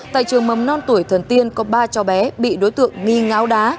tại trường mầm non tùy thần tiên có ba chó bé bị đối tượng nghi ngáo đá